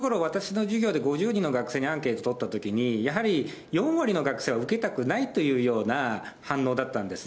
そうですね、６月ごろ、私の授業で５０人の学生にアンケート取ったときに、やはり４割の学生は受けたくないというような反応だったんですね。